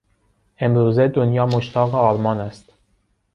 امروزه دنیا مشتاق آرمان است.